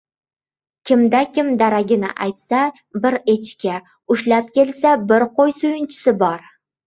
Kimdakim daragini aytsa bir echki, ushlab kelsa bir qo‘y suyunchisi bor!